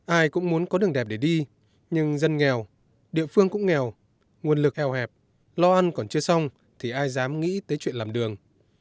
ai cũng muốn có đường đẹp để đi nhưng dân nghèo địa phương cũng nghèo nguồn lực eo hẹp lo ăn còn chưa xong thì ai dám nghĩ tới chuyện làm đường